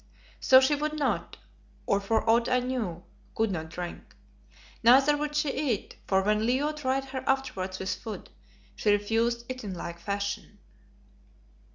So she would not, or for aught I knew, could not drink. Neither would she eat, for when Leo tried her afterwards with food she refused it in like fashion.